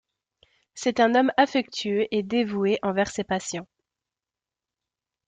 C'est un homme affectueux et dévoué envers ses patients.